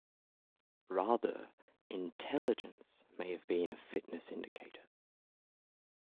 Rather, intelligence may have been a fitness indicator.